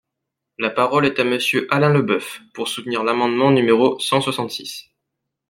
La parole est à Monsieur Alain Leboeuf, pour soutenir l’amendement numéro cent soixante-six.